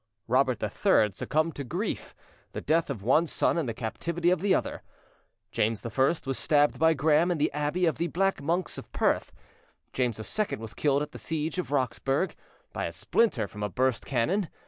Robert III succumbed to grief, the death of one son and the captivity of other. James I was stabbed by Graham in the abbey of the Black Monks of Perth. James II was killed at the siege of Roxburgh, by a splinter from a burst cannon.